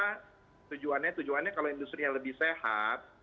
karena tujuannya tujuannya kalau industri yang lebih sehat